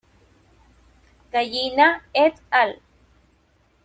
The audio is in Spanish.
Gallina "et al.